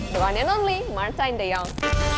dan hanya dia martijn de jong